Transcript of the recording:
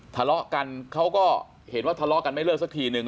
ทะเลาะกันเขาก็เห็นว่าทะเลาะกันไม่เลิกสักทีนึง